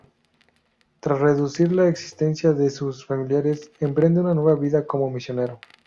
Tras reconducir la existencia de sus familiares, emprende una nueva vida como misionero.